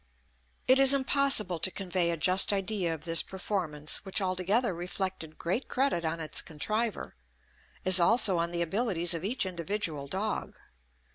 It is impossible to convey a just idea of this performance, which altogether reflected great credit on its contriver, as also on the abilities of each individual dog.